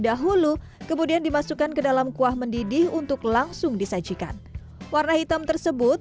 dahulu kemudian dimasukkan ke dalam kuah mendidih untuk langsung disajikan warna hitam tersebut